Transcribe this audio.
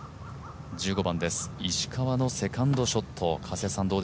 １５番です、石川のセカンドショット。